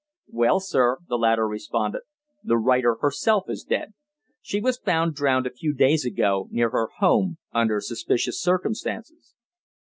"Well, sir," the latter responded, "the writer herself is dead. She was found drowned a few days ago near her home under suspicious circumstances."